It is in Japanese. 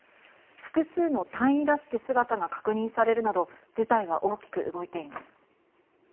複数の隊員らしき姿が確認されるなど事態は大きく動いています。